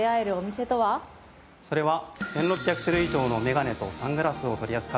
それは１６００種類以上のメガネとサングラスを取り扱うＺｏｆｆです。